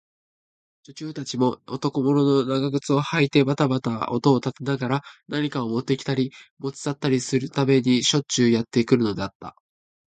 女中たちも、男物の長靴をはいてばたばた音を立てながら、何かをもってきたり、もち去ったりするためにしょっちゅうやってくるのだった。